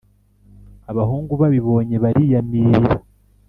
abahungu babibonye bariyamirira,